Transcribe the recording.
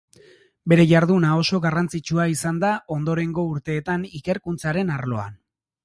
Bere jarduna oso garrantzitsua izan da ondorengo urteetan ikerkuntzaren arloan.